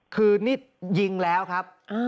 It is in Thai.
คือนี่ยิงแล้วครับ